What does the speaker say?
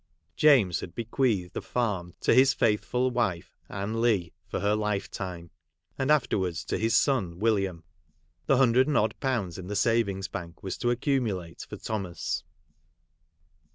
James had be queathed the farm to his faithful wife, Anne Leigh, for her life time ; and afterwards, to his son William. The hundred and odd pounds in the savings' bank was to accumu late for Thomas.